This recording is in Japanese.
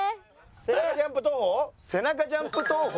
背中ジャンプ投法？